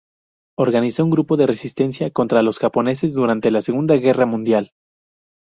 Organizó un grupo de resistencia contra los japoneses durante la Segunda Guerra Mundial.